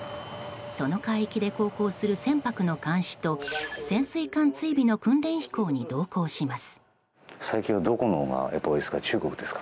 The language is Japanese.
その海域で航行する船舶の監視と潜水艦追尾の訓練飛行に同行します。